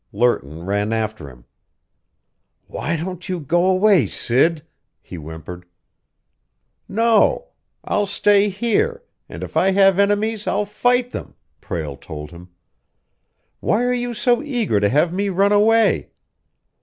Lerton ran after him. "Won't you go away, Sid?" he whimpered. "No. I'll stay here, and if I have enemies I'll fight them!" Prale told him. "Why are you so eager to have me run away?"